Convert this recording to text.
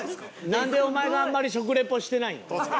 なんでお前があんまり食リポしてないん？